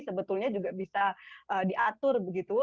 sebetulnya juga bisa diatur begitu